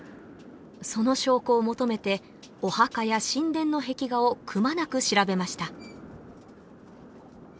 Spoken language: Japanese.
その証拠を求めてお墓や神殿の壁画をくまなく調べました